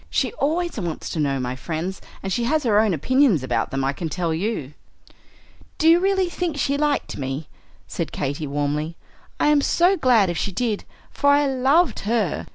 "She always wants to know my friends; and she has her own opinions about them, I can tell you." "Do you really think she liked me?" said Katy, warmly. "I am so glad if she did, for I loved her.